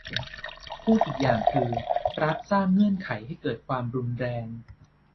พูดอีกอย่างคือ รัฐสร้างเงื่อนไขให้เกิดความรุนแรง